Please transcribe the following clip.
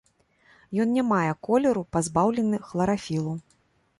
Ён не мае колеру, пазбаўлены хларафілу.